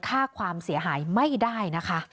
ค่าความเสียหายไม่ได้นะคะ